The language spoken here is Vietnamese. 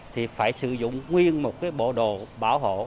thì phải sử dụng nguyên một cái bộ đồ bảo hộ